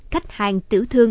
khách hàng tử thương